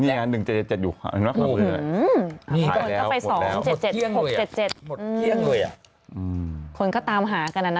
นี่อัน๑๗๗๗อยู่๖๗๗หมดเที่ยงเลยอ่ะคนก็ตามหากันอ่ะน่ะแหละ